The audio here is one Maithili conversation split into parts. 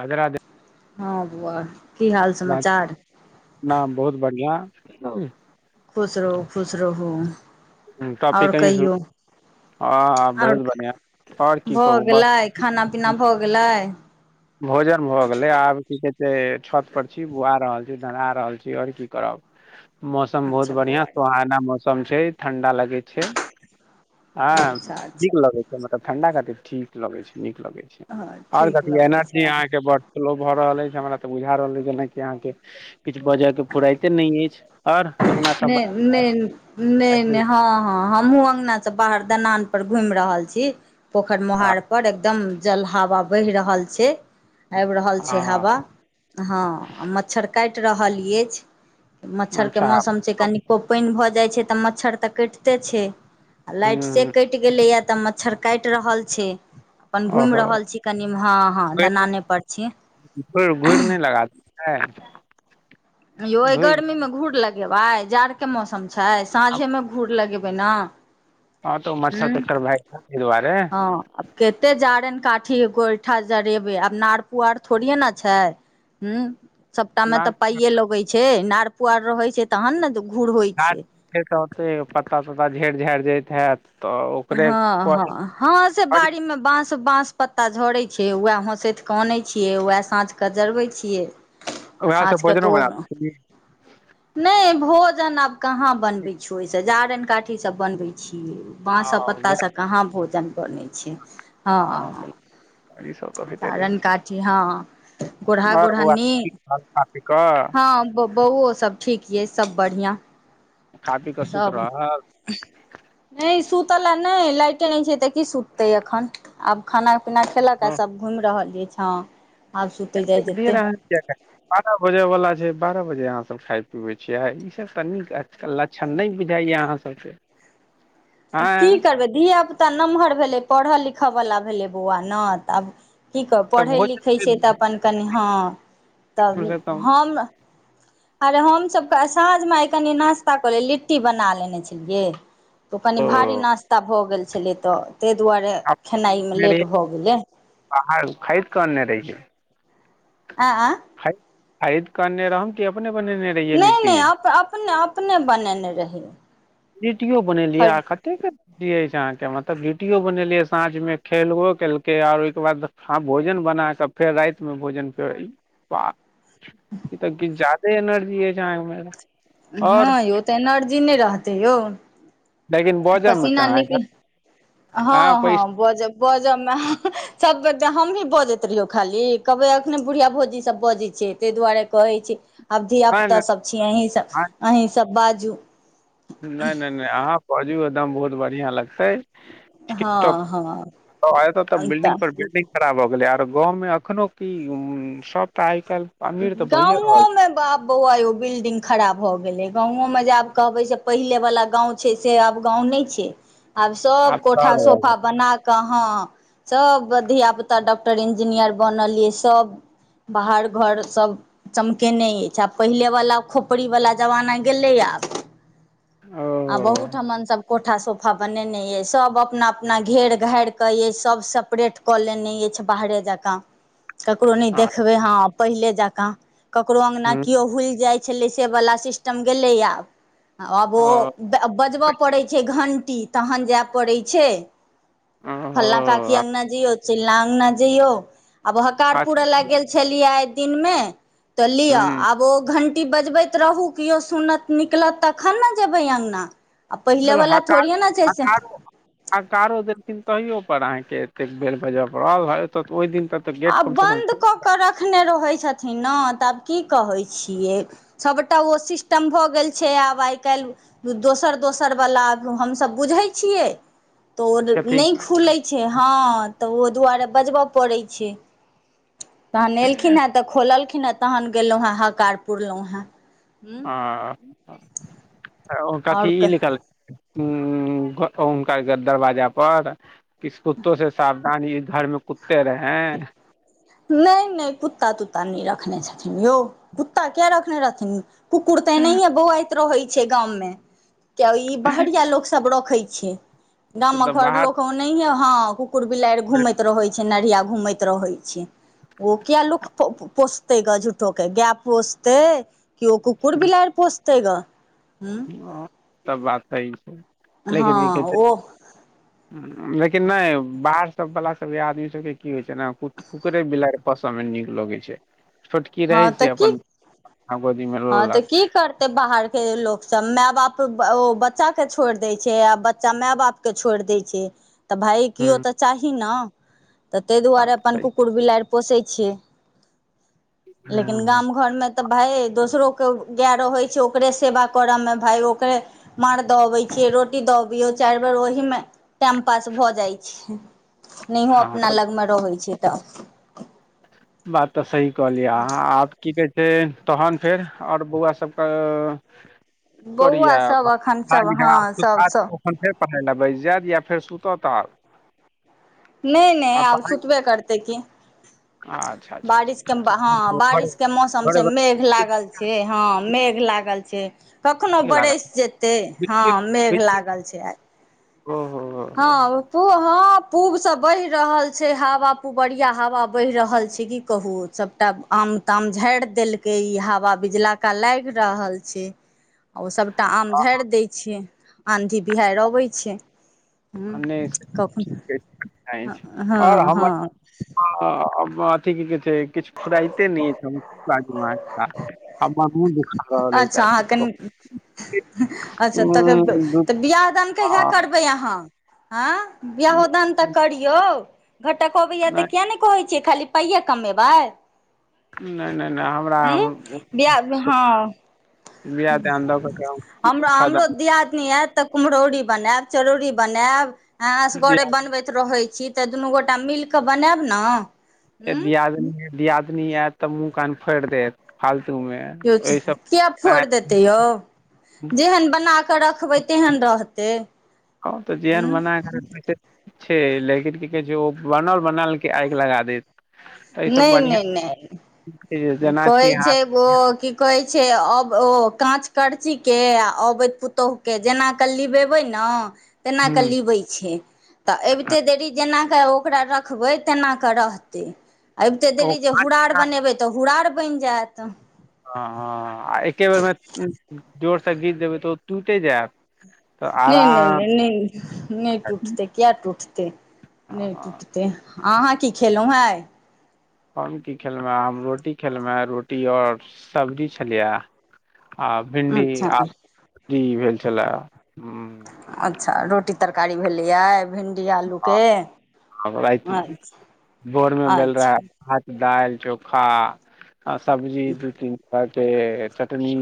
अध रध [unintelligible] हँ बुआ मैम लाइक बहुत बढ़िआ खुश रहू खुश रहू कॉपी आओर करही शुरू कहियौ ह ह बहुत आओर बढ़िआँ आओर की भऽ कहू बस गेलै खाना पीना भऽ गेलै भोजन भऽ गेलै आब की कहै छै छत पर छी बुआ रहल छी ढ़रहा रहल छी आओर की करब मौसम बहुत अच्छा बढ़िया बौआ सोहाना मौसम छै ठंडा लगे छै ह अच्छा अच्छा नीक लगै छै मतलब ठंडा खातिर ठीक लगै छै निक हँ आर ठीक कथि लगै एनर्जी छै अहाँ केँ बड स्लो भ रहल अछि हमरा त बुझा रहल अछि जेना की से अहाँके किछु बजय केँ फुराते नहि अछि आओर अंगना सब नहि नहि नहि त ह ह हमहु अगना से बाहर दनान पर घुमि रहल छी पोखरि हँ मोहार पर एकदम जल हवा बहि रहल छै आबि रहल छै हँ हवा हँ मच्छर काटि रहल अछि मच्छरकेँ अच्छा मौसम छै कनिको पानि भऽ जाइत छै तऽ मच्छर तऽ कटिते छै आ लाइट से ह कटि गेलैए तऽ मच्छर काटि रहल छै अपन घुमि ओहो रहल छी कनिमे हँ हँ घुर दानानेपर छी हँ ह यौ अय गर्मी मे घूर लग जेबक्ष जाड़ केँ मौसम छै सााँझे मे घूर लगेबै बिना हँ तऽ मच्छर यहूं तच्छर भए गेल ताहि दुआरे हँ आ कते जा जारन काठी गोइठा जरेबै आब नार पुआर थोड़ेये ने छै सबटा मे अनार तऽ पाइे लगैत छै नार पुआर रहै छै तहन न गाछ छै तऽ ओतेक पत्ता तोत्ता झड़ि झारि जाइत हैत तऽ ओकरे हँ हँ हँ से बाड़ी मे बाँस बास पत्ता झरै छैियै वएह हँसैैत कऽ आनै छियै वएह साँझ कऽ जरबै छियै तऽ उएह सब साँझ क भोजनो तो बना लै नहि भोजन आब कहाँ छी। बनबै छियौ ओहिसँ जारनि काठी सब बनबै छियै आ, बाँसकेँ गैस पत्तासँ कहाँ भोजन बनय छै आ, हँ अपन ई सब तऽ होइते रहै जारन छै काठी हँ गोढ़ा आओर बौआ गोढ़ानी की हाल खा पी कऽ हँ बौओ सब ठीक यइ सब बढ़िआँ खा पी कऽ सुति सब रहल नहि सुूतला नहि लाइटे नहि छै त की सुततै अखन आब खाना पीना खेलक आ सभ घुमि रहल अछि ह एतेक धरि अहा किए बारह बजे वला छै बारह जे अहाँ सब खााय पीबै छियै ईसभ त नीक लक्षण नहि बुझाइया अहाँ सबकेँ [unintelligible] आब की करबै धियापुता नमहर भेलै पढ़य लिखयवला भेलै बौआ न तऽ आब की कहब तऽ पढ़ैत भोजन लिखैत के छै तऽ अपन कनि हँ तब कम से कम हम [unintelligible] अरे हमसभ त' आइ साँझमे आइ कनि नाश्ता कऽ लेल लिट्टी बना लेने छलियै तऽ कनि ओ भारी नास्ता भऽ गेल छलै तऽ ते दुआरे अपने खेनाइमे बनेने रहियै लेट भ गेलै बाहर खरीद कऽ अनने रहियै आ आ खरीद खरीद क'अनने रहुं कि अपने बनेने रहियै नहि लिट्टी नहि अप अपने अपने बनेने रहि लिटियो बनेलियै आ कतेक ती यै अहांके मतलब लिटियो बनेलियै साँझ मे खेलबो केलकै आओर ओहिके बाद भोजन ब अहां सब फेर रातिमे भोजन बा ई तऽ किछ जादे एनर्जी अय अहांमे हँ यौ तऽ एनर्जी नहि रहतै यौ लेकिन बजऽ मे कहाँ पसीनानेके है हँ अहाँ हँ पैसा बजब बजऽ मे सबके हम भी बजैत रहियौ खाली कहबै अखने बुढ़िया भौजी सब बजै छियै ताहि दुआरे कहै छी आब धिया नहि पुता नहि सभ छी अहीं सभ अहीं सभ बाजू नइ नइ नइ अहाँ बजियो एकदम बहुत बढ़िया लग हं हँ हँ एत्त' त' तऽ बिल्डिंग पर बिल्डिंग खडा़ भ' गेलै आ त अ गाँंव मे अखनो की सब त आ गाँवो मे बाप बौआ यो बिल्डिंग खरा भऽ गेलै गाँंवो मजा आब कहबै से पहिले वला गाँव छै से आब गाँव नहि छै आब सब शहर कोठा भऽ सोफा गेल। बना क हं सब धिया पुता डक टर इंजीनियर बनल ये सब बाहर घर सभ चमकेने अछि आब पहिलेवला खोपड़ीवला जमाना गेलै आब आब ओ अहून ठमन सभ कोठा सोफा बनेने य सब अपना अपना घेर घार के यै सब सेपरेट क लेने य छै बाहरे जकाँ ककरो नै अच्छा देखबै हं पहिले जकां ककरो अंगना कियो हुइल जाय छैलय से बला सिस्टम गेलय आब आब ओ बजबअ परै छैय घं टी तहन जाय पड़े छै फल्लां काकी ओ अंगना जैयो चिल्लां गना जइयो आब हकार अच्छा पूरय लए गेल छलियै आइ दिनमे तऽ लिअ हूँ आब ओ घण्टी बजबैत रहू किओ सुनत निकलत तखन ने जेबै अंगना आ ल हो पहिलेवला थोड़िये ने छै से हकारो हकारो देलखिन तहियो पर अहाँके एतेक बेल बजय पड़ल ओहि दिन तक तऽ गेट आब कम से कम बन्द कऽ कऽ रखने रहैत छथिन न तऽ की कहै छियै सबटा ओ सिस्टम भऽ गेल छै आब आइ काइल दोसर दोसर वला हमसभ बुझै छियै तऽ ओ कथी नहि खुलैत छै हँ तऽ ओ दुआरे बजबय पड़ै छै तहन एलखिन हैंए तऽ खोललखिन खिन हं तहन गेलहुँ हँ हकार पुरलौहांए आ ओ कथी आओर ई क लिखल हुं उनका दरवाजा पर किस कुत्तों से सावधानी घर में कुत्ते रहे हैं हें नहि नहि कुत्ता तुत्ता नहि रखने छथिन यौ कुत्ता किया रखने रहथिन कुकुर ओत'एनाहियें बौआइत रहै छै गाममे के ई बाहरिया लोक सब रखे छै तऽ गामक घर बाहर लोक ओनये हँ कुकुर बिलारि घूमैत रहै छै नढ़िया घूमैत रहै छै ओ किया ल लोकख पोस तै ग झूठो के गाय पोसतै कि ओ कुकुर बिलाइर पोसतै ग हूँ हं त बात सही छै हँ लेकिन की कहै छै ओ लेकिन नहि बाहर सब वाला सबके आदमी सबके की होइ छै ने कुकरे बिलाड़ पोसय मे नीक लगै छै छोटकी हँ रहै तऽ छै की अपन गोदी मे हँ तऽ ललक की करतै बाहरके लोक सभ माय बाप ओ बच्चाके छोड़ दै छै आ बच्चा माय बापके छोड़ि दै छै तऽ भाइ केओ तऽ चाही ने तऽ ताहि बात दुआरे अपन सही कुकुर बिलाारि पोसै छियै लेकिन हूँ, गाम घर मे तऽ भाय दोसरो क गैय रहइ छै ओकरे सेवा करऽमे भाय ओकरे मांर दऽ अबै छियै रोटी दऽ अबियौ चारि बेर ओहि मे टाइम पास भऽ जाइ छै नहिहो अहाँ अपना तऽ लगमे रहै छै तऽ बात तऽ सही कहलियइ अहाँ आब की बे से तहन फेर ओर बौआ सबके बौआ करिया सभ एखन सभ हँ सभ सभ पढ़ै ले बैस जायत या फेर सुतत आब नहि नहि आब सुतबे करतै की अच्छा अच्छा बारिश के अच्छा अच्छा हँ अच्छा बड़ बारिश के मौसम बड़ छै बड़ मेघ नीक लागल छै हँ मेघ ला गल छै कखनहुं लागत बरसि जेतै हँ बिजली मेघ बिजली लागल छै आ ओहो हँ पू हँ पूब से बहि रहल छै हवा पूबरिया हवा बहि रहल छै की कहु सबटा आम ताम झाड़ि देलकै ई हवा बिजलका लागि रहल छै ओ सभटा आम झाड़ि दैत छै आँधी बिहारि अबैत छै नहि कखनो अछि हँ आओर हमर हँ अ ब अथी की कहै छै किछु फुरइते नइया हम की बाजू अहाँके अच्छा काज अहाँके [unintelligible] अच्छा तकर तऽ बियाह दान कहिया हँ, करबै अहाँ हँ बियाहो दान ते करियौ घटक अबैया नहि त किया ने कहै छियै खाली पाइये कमेबै नहि नहि नहि हमरा हूँ बियाह हँ बियाह दान क'के कोनो हमरा फायदा हमरो दियादनी आयत तऽ कुम्हरौरी बनायब चरौरी बनायब ऐं नहि। असगरे बनबैत रहै छी तऽ दुनू गोटा मिल कऽ बनायब न ए दियादनी दियादनी आयत तऽ मुह कान फोड़ि देत फालतू मे यौ ओहि सब किया फोड़ि देते यौ जेहन बना कऽ रखबै तेहन रहतै हँ तऽ जेहन हूँ बना कर रखवय ते छै लेकिन की कहै छै ओ बनल बनायलके आगि लगा दै नहि नहि छै नहि जेना कहै छी हाथ छै ओ की कहैय छै अब ओ काँच करचीके आ अबैत पुतोहुके जेनाकऽ लिबेबै न तेना कऽ ह लिबैय छै तऽ अबिते देरी जेना क' ओकरा रखबै तेना क' रहते आबिते ओ देरी जे काँच हूरार बनेबै तऽ हूरार बनि जायत हँ हँ आ एके बेरमे जोरसँ घीच देबै तऽ ओ टूइटे जायत तऽ नहि नहि आराम नहि नहि नहि टुटतै किया टुटते नहि हँ टुटतै अहाँ की खेलउ हं आइ हम की खेलहुं हें हम रोटी खेलहुं रोटी और सब्जी छलियै आ भिण्डी अच्छा आ ई भेल छलए ह अच्छा रोटी तरकारी भेलियै भिंडी आलूके आब रात मे अच्छा भोर मे भेल अच्छा रहा भात दालि चोख आ सब्जी दू तीन तरहके चटनी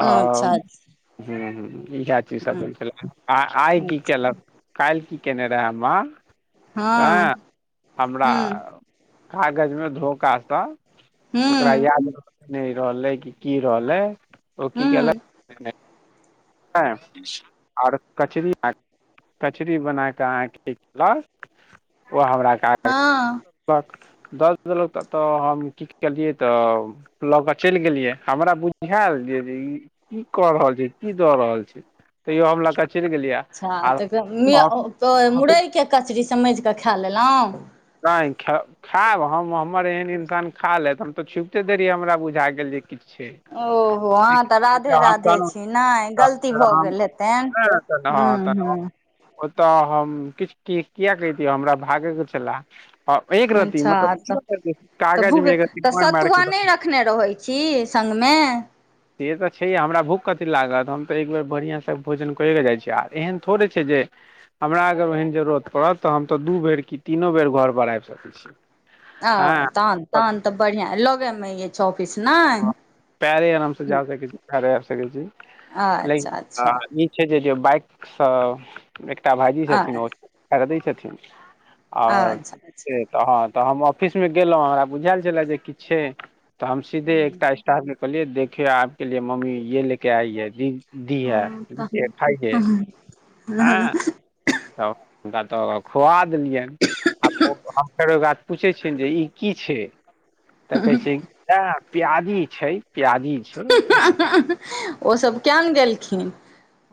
आ अच्छा अच्छा हूं हूँ इह चीज हँ सब हो छल आ आइ हूँ की केलक काल्ह की केने रहे माँ हँ हमरा कागज मे धोखाँ सं ओकरा हूँ याद नहि रहलै कि की रहलै ओ की हूँ केलक हँ आर कचरी कचरी बना कऽ अहाँके खेलक ओ हमरा हँ दऽ देलक त तऽ हम की केलियै तऽ लऽ के चलि गेलियै हमरा बुझायल जे ई की कऽ रहल छैय की दऽ रहल छैय तैयो हम ल क अच्छा तऽ क मुरइके कचरी समजि कऽ खाए लेलउ नहि खैय खायब हम हमर एहन इन्सान खा लेत हम तऽ छुपिते दै रहियै हमरा बुझा गेल जे किछु छै ओहो अहाँ तऽ राधे राधे छी नहि गलती भऽ गेल हेतनि हँ हँ ओतऽ हम किछु किया कतिय हमरा भागे के छला एक रती अच्छा तऽ मतलब तऽ कागज भूख मे एक रती तऽ मारि मारि सतुआ के नहि रखने रहैत छी अमे से तऽ छैय हमरा भूख कथी लागत हम तऽ एकबेर बढ़िआँसँ भोजन करऽ जाइ छी आर एहन थोड़े छैय जे हमरा अगर ओहन जरूरत पड़त तऽ हम तऽ दू बेर कि तीनो बेर घरपर आबि सकै छी। आ हँ तहन तहन तऽ बढ़ियां लगे में य छौ पैरे आराम से जा सकै छी परे आब सकै छी। ल ई अच्छा अच्छा आ नी जे जे बाइकसँ एकटा भाइजी छथिन ओ खरीदै छथिन ओर अच्छा अच्छा तहन तऽ हम ऑफिस में गेलों हमरा बुझायल छले जे किछु छैय तऽ हम सीधे हूँ एकटा स्टाफ के कहले देखियौ आपके लि मम्मी ये लेके आइए दिन दी है खइके ह तऽ हुनका तऽरा खुआ देलियनि आ हम फेर ओकरा पूछैत छियनि जे ई की छैय तऽ कहे छैय प्याजी छैय प्याजी छै तऽ ओसभ कयन गेलखिन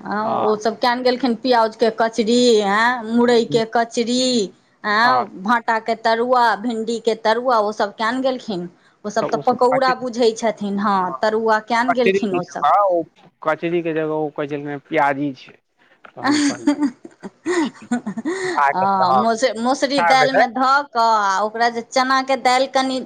हँ ओसभ कयन गेलखिन प्यज के कचरी एय मुरई हम के कचरी ए हँ भाटा के तरुआ भिण्डीके तरुआ ओ सब कयन गेलखिन ओसभ तऽ पकौड़ा बुझैत छथिन हँ तरुआ किया ने कचरी गेलखिन ओसभ हं कचरी के जगह ओ कहै छलखिन प्याजी छै तऽ आ ह हम कहलियै ह ह खा गेल ह मसु हँ मसुरी मसुरी खा दाल गेल मे धऽ कऽ आ ओकरा जे चनाके दाल कनि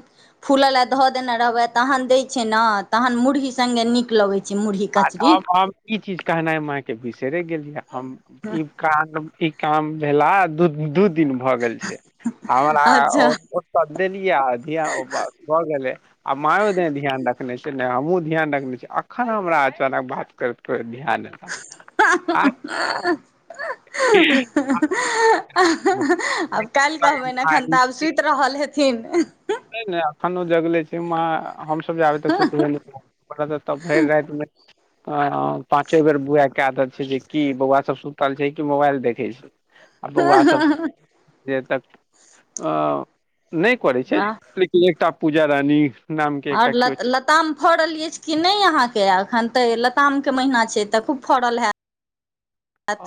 फूलय ल धऽ देने रहब तहन दय छैय ने तहन मुुरही सगे नीक लगै छै मुरही आ कचरी हमब हम ई चीज कहनाइ मायके बिसेरे गेलियै हम ई कारण ई काम भेला दू दू दिन भए गेल छैय हमरा अच्छा ओत देलियै आ ध्यान भऽ गेलै आ मायो ने दे ध्यान रख रखने छैै नहि हमहूँ ध्यान रखने छियै एखन हमरा अचानक बात करैत को ध्यान नहि [unintelligible] आब काल्हि कहबनि एखन तऽ आ सुति रहल हे तिन नहि नहि अखनो जगले छी वहाँ हमसभ जाबे तऽ सुत न तब भैर रैत में पाँचो बेर बुआ क देल छैय जे क बौआ सब सुतल छैय कि मोबाइल देखे छैय आ बौआसभ जे तक नहि करै छै आह लेकिन एकटा पूजा रानी नाम के एकटा आओर ल केओ लताम फड़ल अछि कि नहि अहाँके तऽ लतामके महीना छै तऽ खूब फड़ल है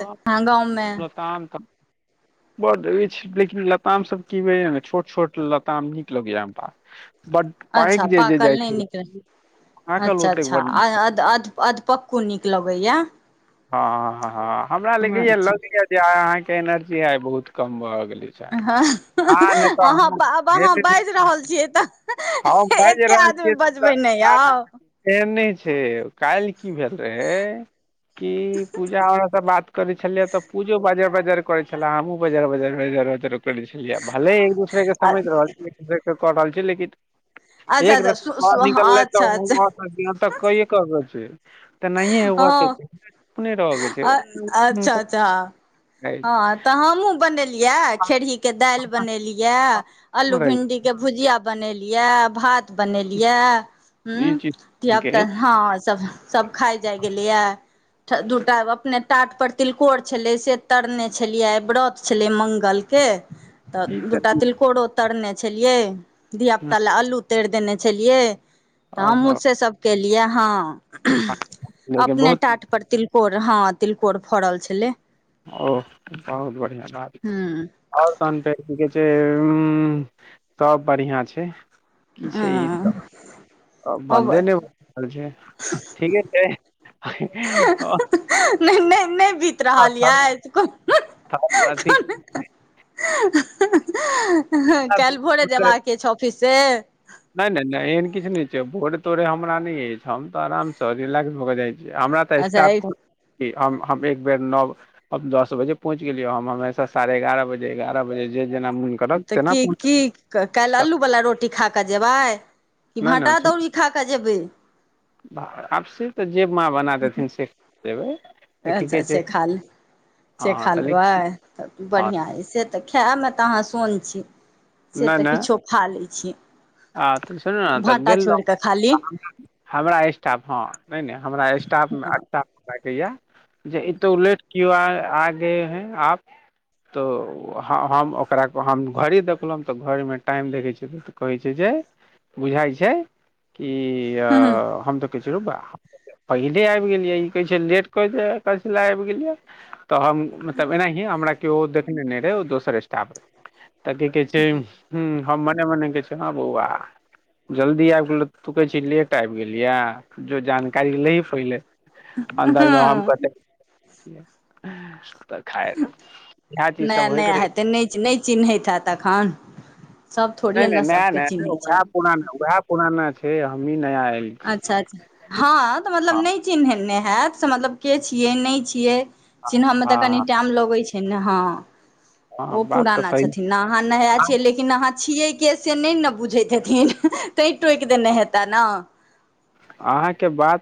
त अहां गााममे लताम [inaudible] बड अछि लेकिन लताम सब की होय ने छोट छोट लताम नीक लगैया हमरा बड अच्छा पाकि जे जे पाकल जाइ नहि छै नीक पाकल अच्छा ओतेक अच्छा बड आ अधपक्कू नीक लगैया हँ ह हँ हँ हमरा ल इए अच्छा लग यए जे आइ अहाँके एनर्जी आइ बहुत कम भऽ गेलै हँ ह नहि तऽ अहाँ म आब अहाँ बाजि रहल छियै तऽ एके आदमी बजबै ने यौ रह ए नहि छै कैल की भेल रहै कि पूजा हमरा से बात करे छलियै तऽ पूजो बाज ब बजार करै छला हम बजार बजार करै छलियै भले एक दूसरे के समझ रहल छी एक दसरे के कऽ रहल छी लेकिन अच्छा एक अच्छा रती बाहर निकलले तऽ अच्छा अच्छा व तक कहि कह रहल छै तऽ नहिये होब के रहके छै अ अच्छा अच्छा हँ तऽ हमहुँ बनेल लिया खेरही के दालि बनेलिया आलू भिंडी के भुजिया बनेलि या भात बनेलिया ई हं चीज धियापुता हँ सब सब खााय जाय गेलैया दू टा अपने टाट पर तिलकोर छलै से तरने छलियै आय व्रत छलै मंगलके तऽ दूटा तिलकोरो तरने छलियै धिय पुता लए अल्लू तरि देने छलियै तऽ ओ हमहुँ हो से सब केलियै हं लेकिन बहुत कोर हँ तिलकोर फरल छलै ओ बहुत बढ़िआ बात हूँ आओर तने की कहै छै हुं सब बढ़िआँ छै ई छै ई हँ अब बन्दे नहि रहल छै ठीके छै ओ नहि नहि नहि बीत रहल यै अथी काल्हि भोरे जेबाक छै ऑफिस से किछ ने छै भोरे तोरे हमरा न अछि हम ते आराम से रिलैक्स भ के जाय ज हमरा तऽ अच्छा स्टाफ फोन छी हम हम एक बेर नओ दस बजे पहुँच गेलियै हम हमेशा साढ़े एगारह बजे एगारह बजे जेजेना तऽ की की काल्हि आल्लूवला रोटी खा कऽ जेबै कि नहि नहि भाटा सुन अदौरी खा कऽ जेबै आब से तऽ जे माँ बना देथिन से देबै तऽ की अच्छा कहै छै से खा ले से हँ खा तऽ लेबै तऽ हँ बढ़िआँ अइ से तऽ खायमे तऽ अहाँ सोन छी से नहि त नहि किछु खालै छी आ त सुनू ने तऽ भाँटा छोड़ि कऽ खाली गेलहु हमरा स्टाफ हँ नहि ने हमरा स्टाफमे अच्छा लागैया जे एतौ लेट कियो आ गए हैं आप तो हम ओकरा को हम घर ही देख एलौं तऽ घरमे टाइम देखै छै कहै छै जे बुझाइ छै ई हम तऽ कह छी रै बा पहिले आबि गेलिये ई कहे छै लेट क दे कस ल आबि गेलिये तऽ हम एनाहिए हमरा केओ देखने नहि रहे ओ दोसर स्टाफ रह तऽ की कह छै हुं हम मने मने के छै हँ बौआ जल्दी आबि गेल तु कहै छ ले लेट आबय गेल यै जो जानकारी ले ही पहिले अन्दर मे हम नया कतै छिये तऽ खाएब इएह चीज सब होइत नया रहे हेतै नहि नहि चिन्हैत हैत एखन सभ छै थोड़िये नहि नहि ने नया सभके नहि यौ चिन्हैत छै उएह पुरान नहि उएह पुराना छै हमहीं नया आयल छी अच्छा अच्छा हँ तऽ मतलब हँ नहि चिन्हनै हैत से मतलब के छियै नहि छियै चिन्हबमे तऽ हँ कनी टाइम लगैत छै ने हँ हँ ओ बात तऽ पुराना सही छथिन अहाँ नया छियै लेकिन अहाँ छियै के से नहि ने बुझैत हेथिन तै टोकि देने हेताह ने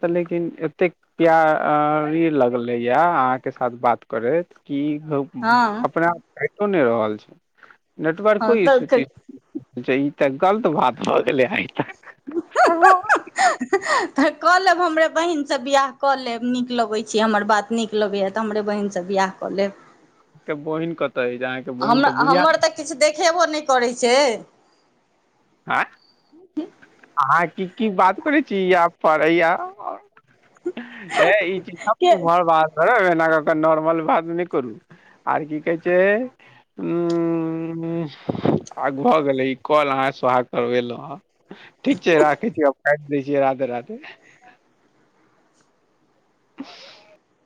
तऽ लेकिन एतेक प्यारी लगले या अहाँ के साथ बात करैत कि कहुँ हँ अपना आप खो नहि रहल छै [unintelligible] नेटवर्को हँ तऽ इशू ई तऽ गलत बात भऽ गेले हैन ओ [inaudible] तऽ कऽ लेब हमरे बहिनसँ बियाह कऽ लेब नीक लगैत छी हमर बात नीक लगैया तऽ हमरे बहिन से बियाह कलेब बहिन कतऽ अछि अहाँके बहिन तऽ बुढ़िया हमर तऽ किछ देखेबो ने करै छैे आँय अहाँ की की बात करै छी यहाँ पर हे ई चीज सब तऽ के घर बाहर कर रहब त नॉर्मल बात नए करू आ की कहे छै आब भऽ गेलै ई कल अहाँ सुहा कऽ एलहु हं ठीक छै राखे छी काटि दै छिय राधे राधे [inaudible]